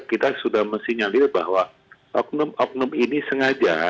saya kita sudah masih nyalir bahwa oknum oknum ini sengaja